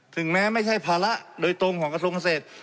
แม้ไม่ใช่ภาระโดยตรงของกระทรวงเกษตร